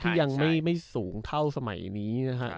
ที่ยังไม่สูงเท่าสมัยนี้นะฮะ